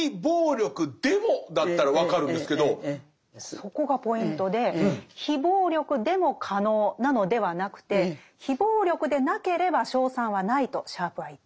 そこがポイントで非暴力でも可能なのではなくて非暴力でなければ勝算はないとシャープは言っています。